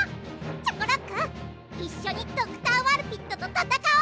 チョコロックいっしょにドクター・ワルピットとたたかおう！